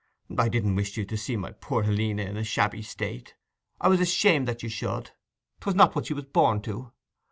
I didn't wish you to see poor Helena in a shabby state. I was ashamed that you should—'twas not what she was born to.